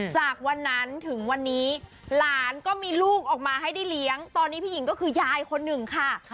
จากวันนั้นถึงวันนี้หลานก็มีลูกออกมาให้ได้เลี้ยงตอนนี้พี่หญิงก็คือยายคนหนึ่งค่ะ